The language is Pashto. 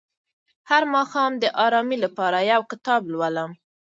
هر ماښام د ارامۍ لپاره یو کتاب لولم.